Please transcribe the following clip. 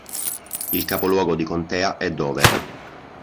Il capoluogo di contea è Dover.